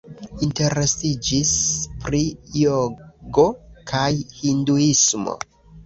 Interesiĝis pri jogo kaj hinduismo.